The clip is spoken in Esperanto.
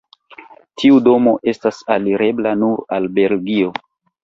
Tiu domo estas alirebla nur el Belgio.